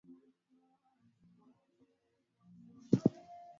Bandama ya mnyama aliyekufa kwa ugonjwa wa mkojo mwekundu huwa kubwa